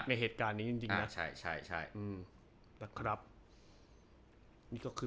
ในเหตุการณ์นี้จริงจริงนะใช่ใช่ใช่อืมนะครับนี่ก็คือ